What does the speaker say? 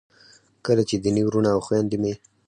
کله چې دیني وروڼه او خویندې مې